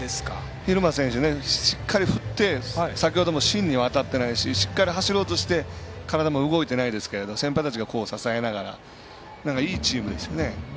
蛭間選手、しっかり振って先ほども芯には当たってないし体が動いてないですけれども先輩たちが支えながら、いいチームですよね。